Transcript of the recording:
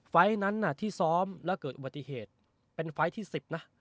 ไฟล์นั้นที่ซ้อมแล้วเกิดอุบัติเหตุเป็นไฟล์ที่๑๐นะ